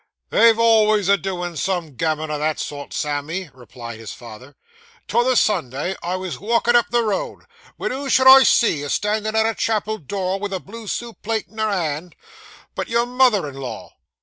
'They're alvays a doin' some gammon of that sort, Sammy,' replied his father. 'T'other Sunday I wos walkin' up the road, wen who should I see, a standin' at a chapel door, with a blue soup plate in her hand, but your mother in law!